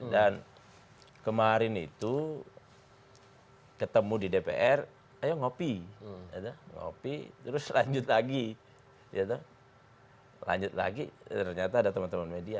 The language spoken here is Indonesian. dan kemarin itu ketemu di dpr ayo ngopi terus lanjut lagi lanjut lagi ternyata ada teman teman media